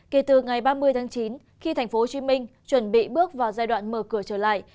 kể từ ngày ba mươi tháng chín khi tp hcm chuẩn bị bước vào giai đoạn mở cửa trở lại